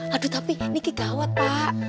aduh tapi ini kegawat pak